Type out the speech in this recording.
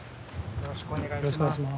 よろしくお願いします。